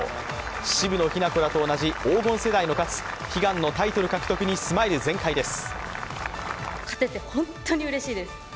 渋野日向子らと同じ黄金世代の勝、悲願のタイトル獲得にスマイル全開です。